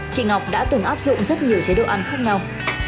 chị ngọc đã từng áp dụng rất nhiều chế độ ăn khác nhau